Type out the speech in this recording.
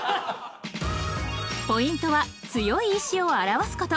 ポイントは強い意志を表すこと。